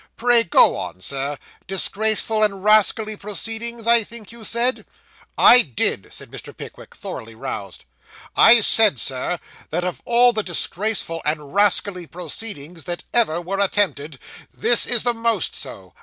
'Pray, go on, sir disgraceful and rascally proceedings, I think you said?' 'I did,' said Mr. Pickwick, thoroughly roused. 'I said, Sir, that of all the disgraceful and rascally proceedings that ever were attempted, this is the most so.